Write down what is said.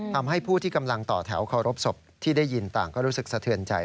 ทำให้ผู้ที่กำลังต่อแถวเคารพศพที่ได้ยินต่างก็รู้สึกสะเทือนใจ